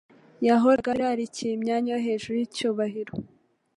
yahoraga irarikiye imyanya yo hejuru n'icyubahiro,